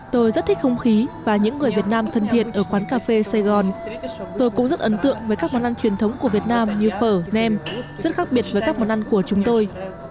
tôi rất thích không khí và những người việt nam thân thiện ở quán cà phê sài gòn tôi cũng rất ấn tượng với các món ăn truyền thống của việt nam như phở nem rất khác biệt với các món ăn của chúng tôi